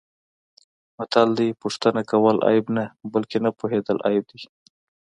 متل دی: پوښتنه کول عیب نه، بلکه نه پوهېدل عیب دی.